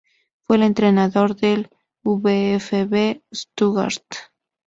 Fue el entrenador del VfB Stuttgart.